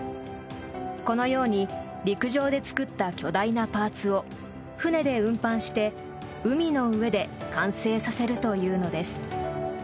このように陸上で作った巨大なパーツを船で運搬して、海の上で完成させるというのです。